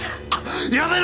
やめろ！